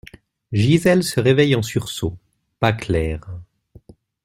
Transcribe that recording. Gisèle se réveille en sursaut, pas claire.